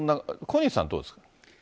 小西さんどうですか？